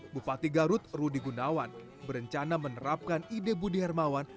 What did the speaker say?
bupati garut rudi gunawan berencana menerapkan ide budi hermawan